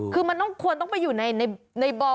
คือมันต้องควรต้องไปอยู่ในบ่อ